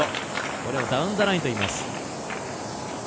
これをダウンザラインといいます。